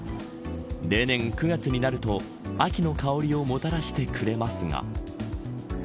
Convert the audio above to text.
例年９月になると秋の香りをもたらしてくれますが。